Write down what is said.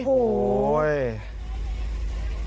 โอ้โห